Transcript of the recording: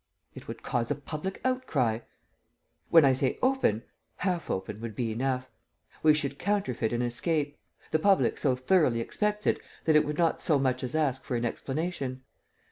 "It would cause a public outcry." "When I say, open ... half open would be enough ... We should counterfeit an escape. ... The public so thoroughly expects it that it would not so much as ask for an explanation."